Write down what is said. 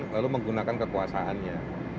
lalu menggunakan kekuasaannya